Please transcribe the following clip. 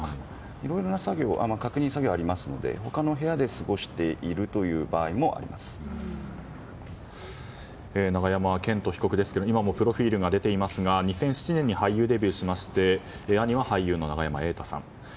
いろんな確認作業がありますので他の部屋で過ごしている永山絢斗被告ですけれども今もプロフィールが出ていますが２００７年に俳優デビューしまして兄は俳優の永山瑛太さん。